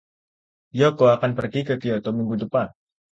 Yoko akan pergi ke Kyoto minggu depan.